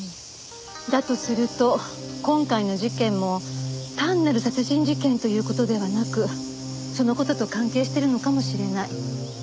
だとすると今回の事件も単なる殺人事件という事ではなくその事と関係しているのかもしれない。